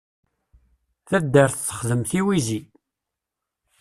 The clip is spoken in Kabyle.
Taddart texdem tiwizi.